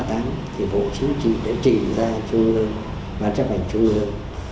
thì bộ chính trị đã chỉnh ra trung ương bán chấp hành trung ương